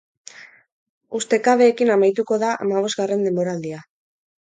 Ustekabeekin amaituko da hamabosgarren denboraldia.